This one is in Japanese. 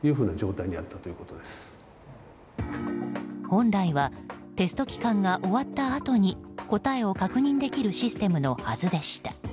本来はテスト期間が終わったあとに答えを確認できるシステムのはずでした。